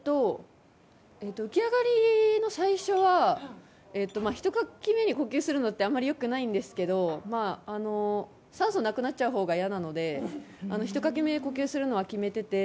浮き上がりの最初はひとかき目に呼吸するのってあまり良くないんですけど酸素がなくなっちゃほうが嫌なのでひとかき目呼吸するのは決めてて。